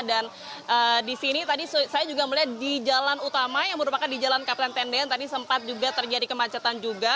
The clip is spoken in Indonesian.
dan di sini tadi saya juga melihat di jalan utama yang merupakan di jalan kapten tendian tadi sempat juga terjadi kemacetan juga